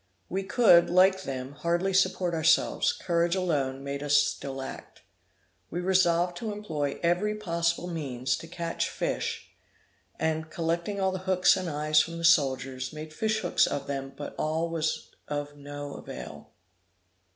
We could, like them, hardly support ourselves; courage alone made us still act. We resolved to employ every possible means to catch fish, and, collecting all the hooks and eyes from the soldiers, made fish hooks of them but all was of no avail.